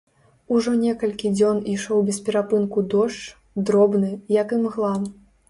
Ужо некалькі дзён ішоў без перапынку дождж, дробны, як імгла.